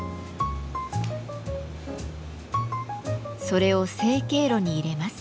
それを成形炉に入れます。